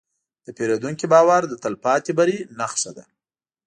د پیرودونکي باور د تلپاتې بری نښه ده.